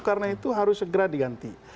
karena itu harus segera diganti